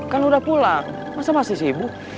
kan udah pulang masa masih sibuk